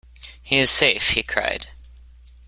“He is safe,” he cried.